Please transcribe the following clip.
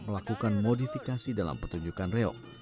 melakukan modifikasi dalam pertunjukan reok